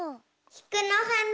きくのはな！